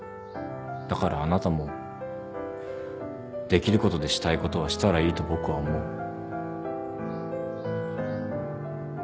だからあなたもできることでしたいことはしたらいいと僕は思う。